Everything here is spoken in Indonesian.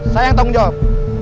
saya yang tanggung jawab